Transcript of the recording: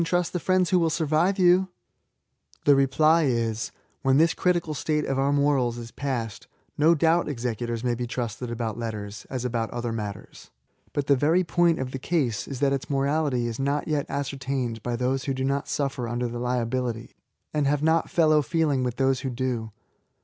trust the friends who will survive you." The reply is — ^when this critical state of our morals is 96 SSSAYS. past; no doubt executors may be trusted about letters, as about other matters. ' But the very point of the case is that its morality is not yet ascertained by those who do not suffer under the liability, and have not fellow feeling with those who do.